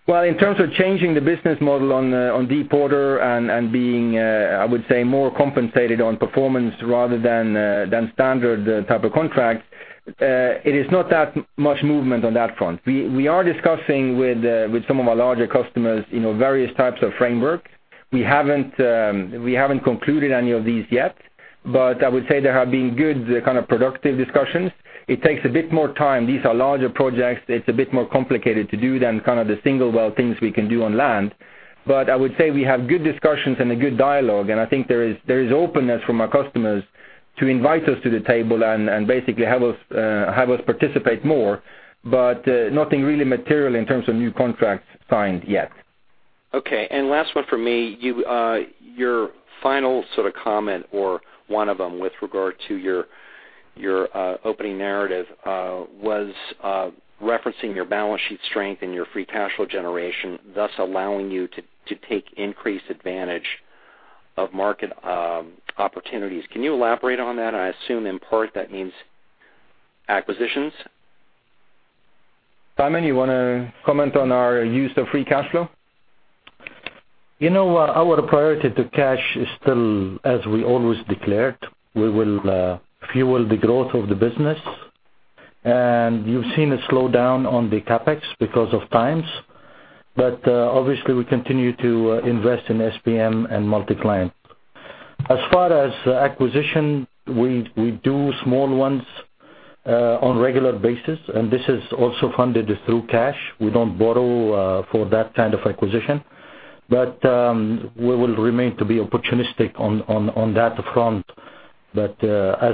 Well, in terms of changing the business model on deep water and being, I would say more compensated on performance rather than standard type of contract, it is not that much movement on that front. We are discussing with some of our larger customers various types of framework. We haven't concluded any of these yet, I would say there have been good, productive discussions. It takes a bit more time. These are larger projects. It's a bit more complicated to do than the single well things we can do on land. I would say we have good discussions and a good dialogue, and I think there is openness from our customers to invite us to the table and basically have us participate more. Nothing really material in terms of new contracts signed yet. Okay, last one from me. Your final comment or one of them with regard to your opening narrative, was referencing your balance sheet strength and your free cash flow generation, thus allowing you to take increased advantage of market opportunities. Can you elaborate on that? I assume in part that means acquisitions. Simon, you want to comment on our use of free cash flow? Our priority to cash is still as we always declared. We will fuel the growth of the business. You've seen a slowdown on the CapEx because of times. Obviously, we continue to invest in SPM and multi-client. As far as acquisition, we do small ones on regular basis, and this is also funded through cash. We don't borrow for that kind of acquisition. We will remain to be opportunistic on that front. As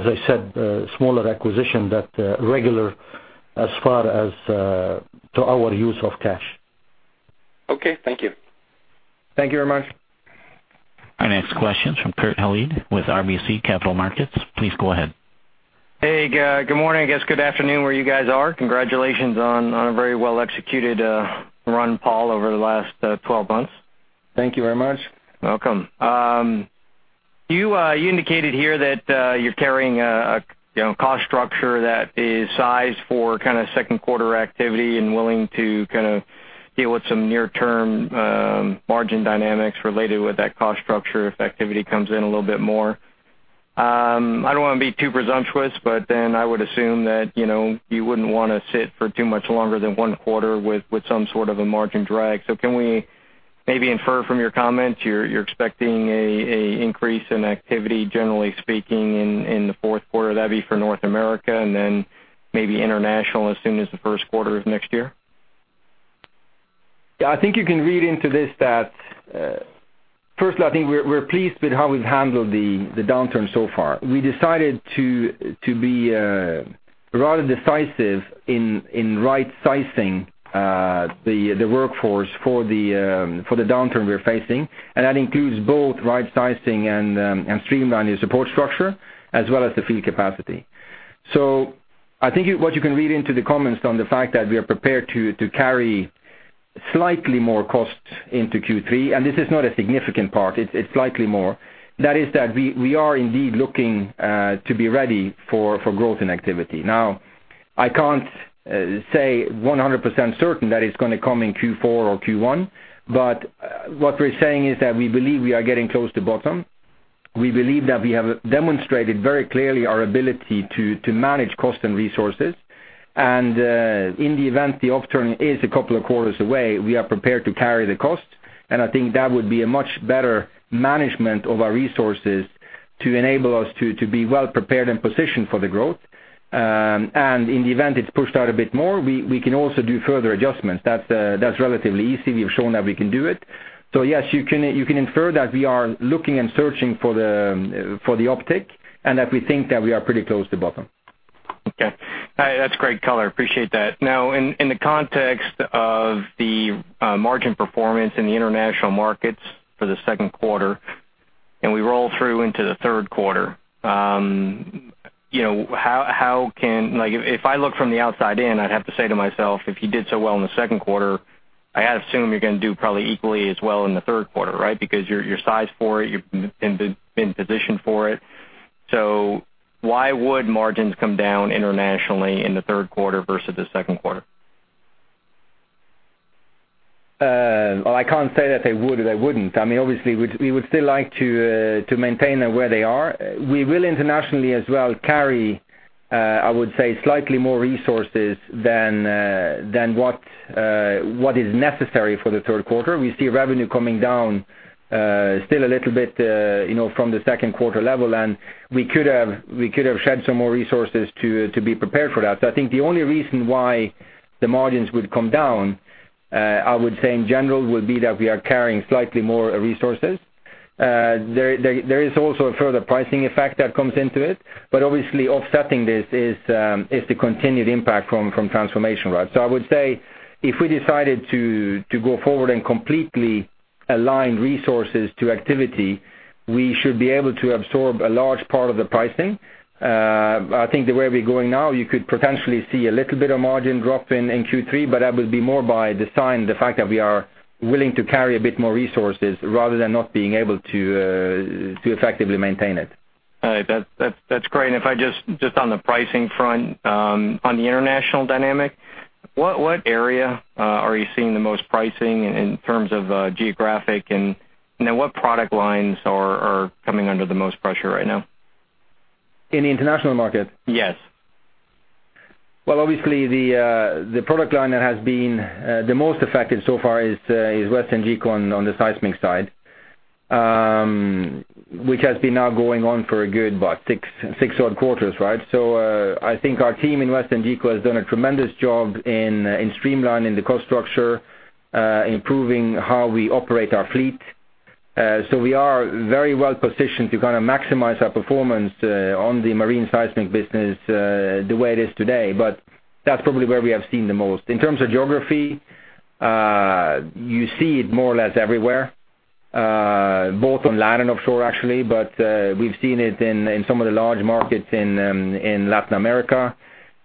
I said, smaller acquisition that regular as far as to our use of cash. Okay, thank you. Thank you very much. Our next question's from Kurt Hallead with RBC Capital Markets. Please go ahead. Hey, good morning, guys. Good afternoon where you guys are. Congratulations on a very well-executed run, Paal, over the last 12 months. Thank you very much. Welcome. You indicated here that you're carrying a cost structure that is sized for second quarter activity and willing to deal with some near-term margin dynamics related with that cost structure if activity comes in a little bit more. I don't want to be too presumptuous, I would assume that you wouldn't want to sit for too much longer than one quarter with some sort of a margin drag. Can we maybe infer from your comments you're expecting an increase in activity, generally speaking, in the fourth quarter? That'd be for North America and then maybe international as soon as the first quarter of next year? Yeah, I think you can read into this that, first I think we're pleased with how we've handled the downturn so far. We decided to be rather decisive in right-sizing the workforce for the downturn we're facing, and that includes both right-sizing and streamlining support structure as well as the field capacity. I think what you can read into the comments on the fact that we are prepared to carry slightly more costs into Q3, and this is not a significant part, it's slightly more. That is that we are indeed looking to be ready for growth in activity. Now, I can't say 100% certain that it's going to come in Q4 or Q1. What we're saying is that we believe we are getting close to bottom. We believe that we have demonstrated very clearly our ability to manage cost and resources. In the event the upturn is a couple of quarters away, we are prepared to carry the costs, and I think that would be a much better management of our resources to enable us to be well prepared and positioned for the growth. In the event it's pushed out a bit more, we can also do further adjustments. That's relatively easy. We've shown that we can do it. Yes, you can infer that we are looking and searching for the uptick and that we think that we are pretty close to bottom. Okay. That's great color. Appreciate that. Now, in the context of the margin performance in the international markets for the second quarter, and we roll through into the third quarter. If I look from the outside in, I'd have to say to myself, if you did so well in the second quarter, I got to assume you're going to do probably equally as well in the third quarter, right? Because you're sized for it, you've been positioned for it. Why would margins come down internationally in the third quarter versus the second quarter? Well, I can't say that they would or they wouldn't. Obviously, we would still like to maintain them where they are. We will internationally as well carry, I would say, slightly more resources than what is necessary for the third quarter. We see revenue coming down still a little bit from the second quarter level, and we could have shed some more resources to be prepared for that. I think the only reason why the margins would come down, I would say in general, would be that we are carrying slightly more resources. There is also a further pricing effect that comes into it, but obviously offsetting this is the continued impact from transformation. I would say if we decided to go forward and completely align resources to activity, we should be able to absorb a large part of the pricing. I think the way we're going now, you could potentially see a little bit of margin drop in Q3, that will be more by design, the fact that we are willing to carry a bit more resources rather than not being able to effectively maintain it. All right. That's great. If I just, on the pricing front, on the international dynamic, what area are you seeing the most pricing in terms of geographic, and what product lines are coming under the most pressure right now? In the international market? Yes. Well, obviously the product line that has been the most affected so far is WesternGeco on the seismic side, which has been now going on for a good, what, six odd quarters, right? I think our team in WesternGeco has done a tremendous job in streamlining the cost structure, improving how we operate our fleet. We are very well positioned to maximize our performance on the marine seismic business the way it is today. That's probably where we have seen the most. In terms of geography, you see it more or less everywhere, both on land and offshore actually, but we've seen it in some of the large markets in Latin America,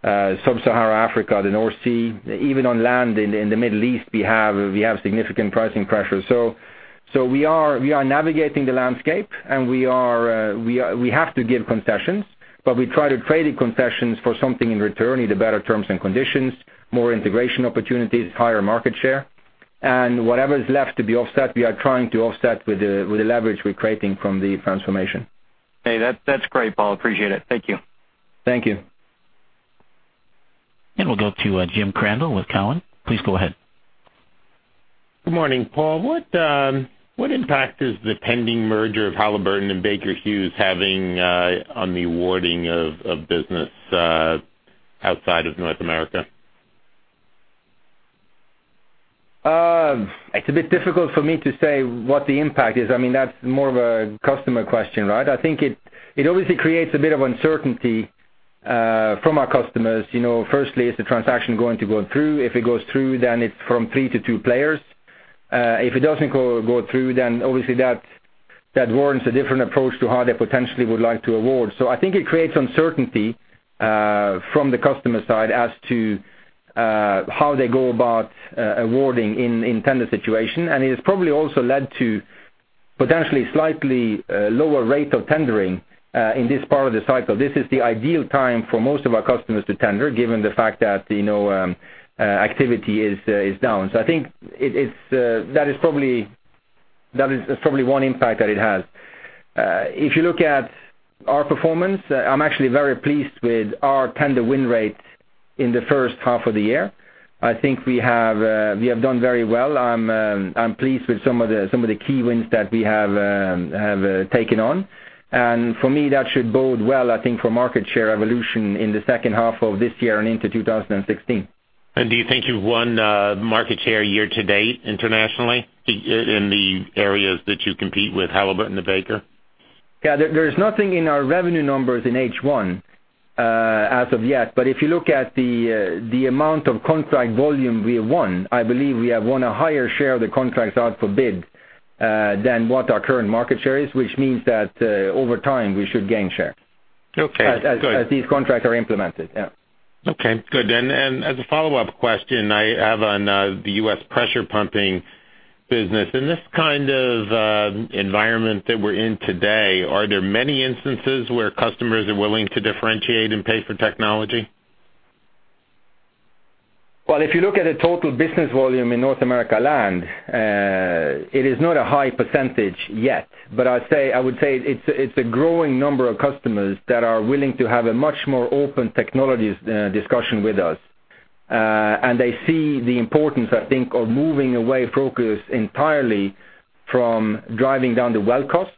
sub-Sahara Africa, the North Sea. Even on land in the Middle East, we have significant pricing pressures. We are navigating the landscape, and we have to give concessions, but we try to trade the concessions for something in return, either better terms and conditions, more integration opportunities, higher market share. Whatever is left to be offset, we are trying to offset with the leverage we're creating from the transformation. Hey, that's great, Paal. Appreciate it. Thank you. Thank you. We'll go to James Crandell with Cowen. Please go ahead. Good morning, Paal. What impact is the pending merger of Halliburton and Baker Hughes having on the awarding of business outside of North America? It's a bit difficult for me to say what the impact is. That's more of a customer question. I think it obviously creates a bit of uncertainty from our customers. Firstly, is the transaction going to go through? If it goes through, then it's from three to two players. If it doesn't go through, then obviously that warrants a different approach to how they potentially would like to award. I think it creates uncertainty from the customer side as to how they go about awarding in tender situation. It has probably also led to potentially slightly lower rate of tendering in this part of the cycle. This is the ideal time for most of our customers to tender, given the fact that activity is down. I think that is probably one impact that it has. If you look at our performance, I'm actually very pleased with our tender win rate in the first half of the year. I think we have done very well. I'm pleased with some of the key wins that we have taken on. For me, that should bode well, I think, for market share evolution in the second half of this year and into 2016. Do you think you've won market share year to date internationally in the areas that you compete with Halliburton and Baker? Yeah. There's nothing in our revenue numbers in H1 as of yet. If you look at the amount of contract volume we won, I believe we have won a higher share of the contracts out for bid than what our current market share is, which means that over time, we should gain share. Okay, good as these contracts are implemented. Yeah. Okay, good. As a follow-up question I have on the U.S. pressure pumping business, in this kind of environment that we're in today, are there many instances where customers are willing to differentiate and pay for technology? Well, if you look at the total business volume in North America land, it is not a high percentage yet, but I would say it's a growing number of customers that are willing to have a much more open technologies discussion with us. They see the importance, I think, of moving away focus entirely from driving down the well cost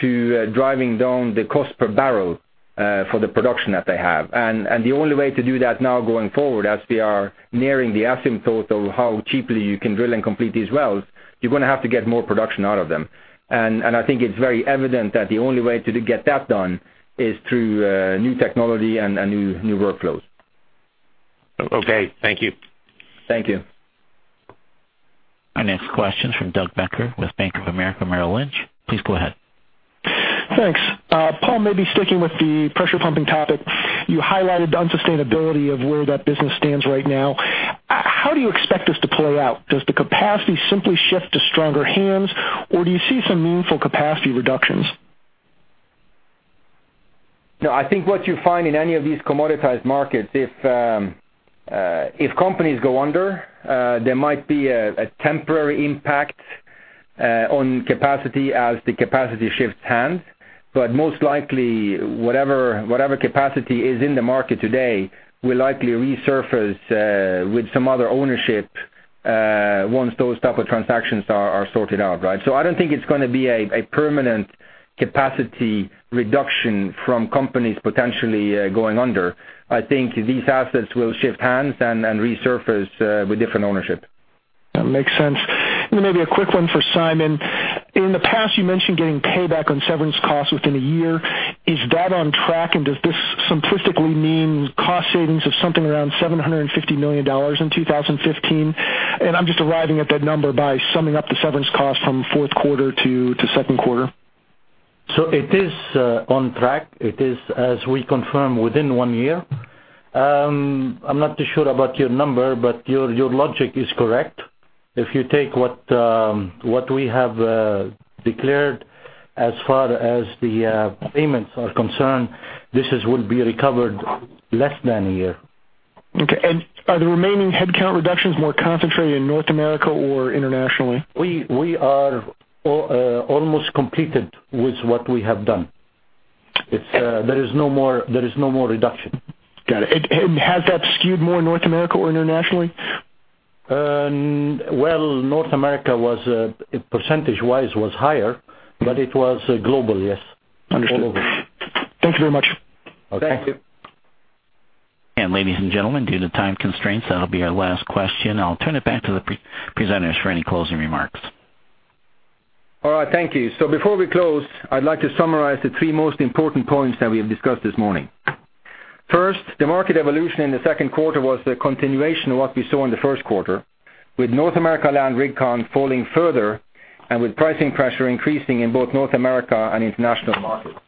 to driving down the cost per barrel for the production that they have. The only way to do that now going forward, as we are nearing the asymptote of how cheaply you can drill and complete these wells, you're going to have to get more production out of them. I think it's very evident that the only way to get that done is through new technology and new workflows. Okay. Thank you. Thank you. Our next question is from Doug Becker with Bank of America Merrill Lynch. Please go ahead. Thanks. Paal, maybe sticking with the pressure pumping topic, you highlighted the unsustainability of where that business stands right now. How do you expect this to play out? Does the capacity simply shift to stronger hands, or do you see some meaningful capacity reductions? I think what you find in any of these commoditized markets, if companies go under, there might be a temporary impact on capacity as the capacity shifts hands. Most likely, whatever capacity is in the market today will likely resurface with some other ownership once those type of transactions are sorted out. I don't think it's going to be a permanent capacity reduction from companies potentially going under. I think these assets will shift hands and resurface with different ownership. That makes sense. Then maybe a quick one for Simon. In the past, you mentioned getting payback on severance costs within a year. Is that on track, and does this simplistically mean cost savings of something around $750 million in 2015? I'm just arriving at that number by summing up the severance cost from fourth quarter to second quarter. It is on track. It is as we confirm, within one year. I'm not too sure about your number, your logic is correct. If you take what we have declared as far as the payments are concerned, this would be recovered less than a year. Okay. Are the remaining headcount reductions more concentrated in North America or internationally? We are almost completed with what we have done. There is no more reduction. Got it. Has that skewed more in North America or internationally? Well, North America percentage-wise was higher, but it was global, yes. Understood. All over. Thank you very much. Okay. Thank you. Ladies and gentlemen, due to time constraints, that'll be our last question. I'll turn it back to the presenters for any closing remarks. All right. Thank you. Before we close, I'd like to summarize the three most important points that we have discussed this morning. First, the market evolution in the second quarter was the continuation of what we saw in the first quarter, with North America land rig count falling further, and with pricing pressure increasing in both North America and international markets.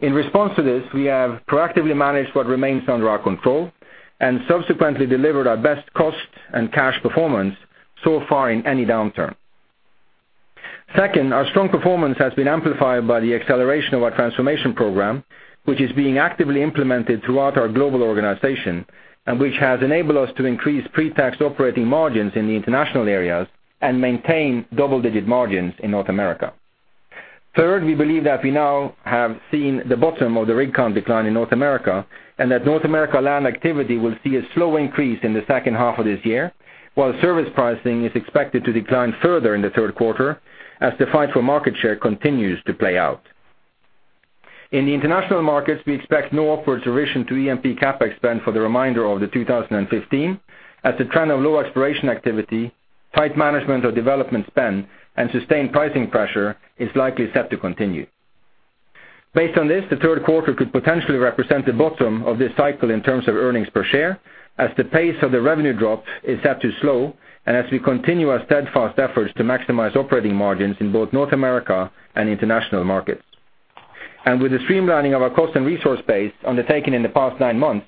In response to this, we have proactively managed what remains under our control and subsequently delivered our best cost and cash performance so far in any downturn. Second, our strong performance has been amplified by the acceleration of our transformation program, which is being actively implemented throughout our global organization and which has enabled us to increase pre-tax operating margins in the international areas and maintain double-digit margins in North America. Third, we believe that we now have seen the bottom of the rig count decline in North America, and that North America land activity will see a slow increase in the second half of this year, while service pricing is expected to decline further in the third quarter as the fight for market share continues to play out. In the international markets, we expect no upward revision to E&P CapEx spend for the remainder of 2015, as the trend of low exploration activity, tight management of development spend, and sustained pricing pressure is likely set to continue. Based on this, the third quarter could potentially represent the bottom of this cycle in terms of earnings per share, as the pace of the revenue drop is set to slow, and as we continue our steadfast efforts to maximize operating margins in both North America and international markets. With the streamlining of our cost and resource base undertaken in the past nine months,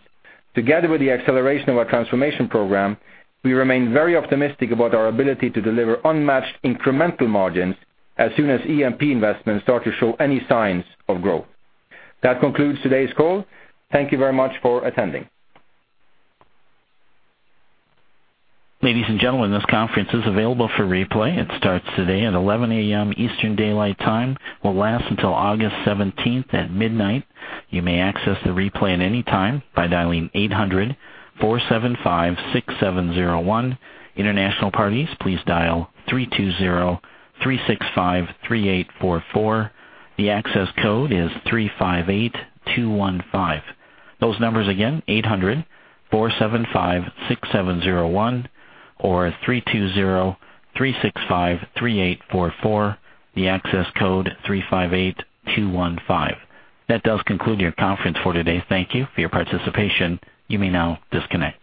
together with the acceleration of our transformation program, we remain very optimistic about our ability to deliver unmatched incremental margins as soon as E&P investments start to show any signs of growth. That concludes today's call. Thank you very much for attending. Ladies and gentlemen, this conference is available for replay. It starts today at 11:00 A.M. Eastern Daylight Time, will last until August 17th at midnight. You may access the replay at any time by dialing 800-475-6701. International parties, please dial 320-365-3844. The access code is 358215. Those numbers again, 800-475-6701 or 320-365-3844. The access code, 358215. That does conclude your conference for today. Thank you for your participation. You may now disconnect.